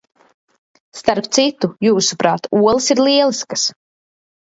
Starp citu, jūsuprāt, olas ir lieliskas!